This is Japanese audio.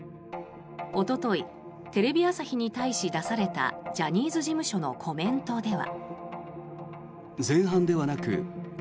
おとといテレビ朝日に対し出されたジャニーズ事務所のコメントでは。